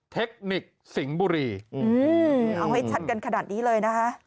เทคนิคสิงห์บุรีเอาให้ชัดกันขนาดนี้เลยนะคะ